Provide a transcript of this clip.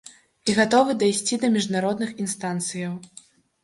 І гатовы дайсці да міжнародных інстанцыяў.